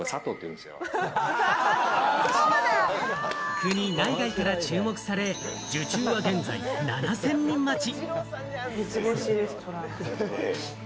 国内外から注目され、受注は現在７０００人待ち。